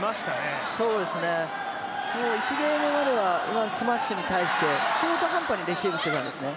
１ゲームまでは、スマッシュに対して中途半端にレシーブしていたんですね。